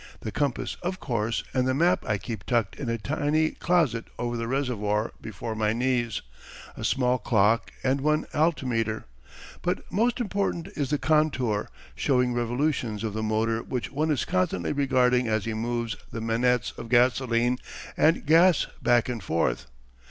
The compass, of course, and the map I keep tucked in a tiny closet over the reservoir before my knees, a small clock and one altimetre. But most important is the contour, showing revolutions of the motor which one is constantly regarding as he moves the manettes of gasoline and gas back and forth.